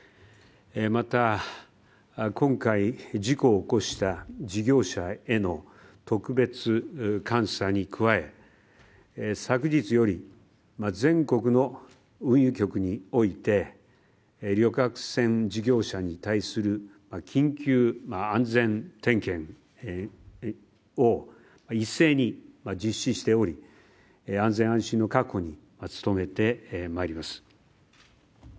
また、今回、事故を起こした事業者への特別監査に加え昨日より全国の運輸局において旅客船事業者に対する緊急安全点検を一斉に実施しており、安全・安心の確保に努めてまいります。